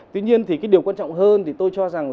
tuy nhiên điều quan trọng hơn thì tôi cho rằng